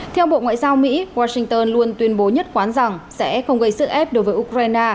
theo bộ ngoại giao mỹ washington luôn tuyên bố nhất quán rằng sẽ không gây sức ép đối với ukraine